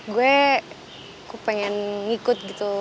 gue pengen ngikut gitu